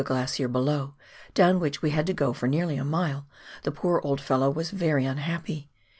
glacier below, down wliicli we had to go for nearly a mile, the poor old fellow was very unhappy.